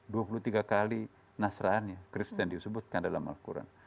dua puluh tiga kali nasrani kristen disebutkan dalam al quran